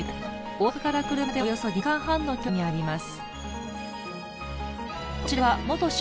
大阪から車でおよそ２時間半の距離にあります。